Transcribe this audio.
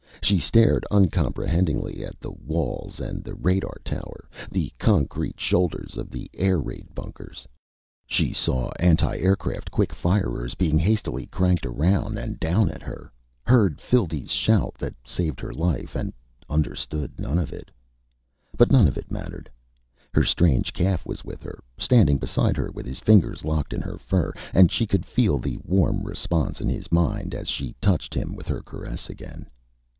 She stared uncomprehendingly at the walls and the radar tower, the concrete shoulders of the air raid bunkers. She saw antiaircraft quick firers being hastily cranked around and down at her, heard Phildee's shout that saved her life, and understood none of it. But none of it mattered. Her strange calf was with her, standing beside her with his fingers locked in her fur, and she could feel the warm response in his mind as she touched him with her caress again.